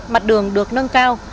mặt đường được nâng cao